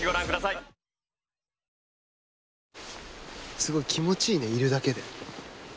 すごい気持ちいいねいるだけで。